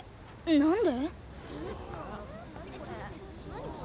何で？